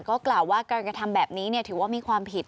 ก็กล่าวว่าการกระทำแบบนี้ถือว่ามีความผิด